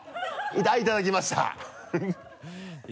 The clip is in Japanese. いただきました。